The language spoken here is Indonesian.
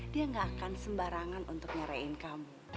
dia gak akan sembarangan untuk nyariin kamu